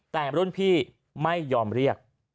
แต่รุ่นพี่ไม่ยอมเรียก